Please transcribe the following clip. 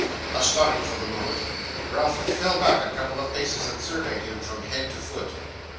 Astonished for the moment, Ralph fell back a couple of paces and surveyed him from head to foot.